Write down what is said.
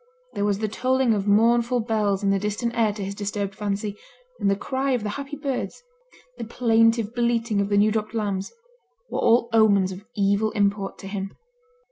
There was the tolling of mournful bells in the distant air to his disturbed fancy, and the cry of the happy birds, the plaintive bleating of the new dropped lambs, were all omens of evil import to him.